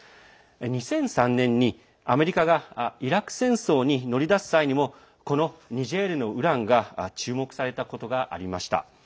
２００３年にアメリカがイラク戦争に乗り出す際にもこのニジェールのウランが注目されたこともありました。